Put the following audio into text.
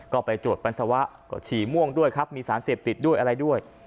ก็ไปตรวจปัสสาวะก็ฉี่ม่วงด้วยครับมีสารเสพติดด้วยอะไรด้วย